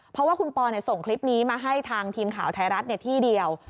เพราะว่าคุณปอส่งคลิปนี้มาให้ทางทีมข่าวไทยรัฐที่เดียว